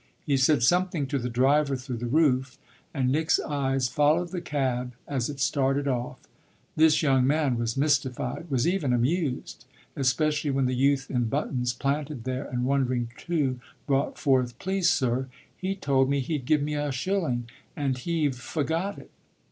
He said something to the driver through the roof, and Nick's eyes followed the cab as it started off. This young man was mystified, was even amused; especially when the youth in buttons, planted there and wondering too, brought forth: "Please sir, he told me he'd give me a shilling and he've forgot it."